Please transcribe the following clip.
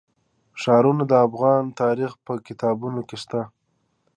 ښارونه د افغان تاریخ په کتابونو کې شته.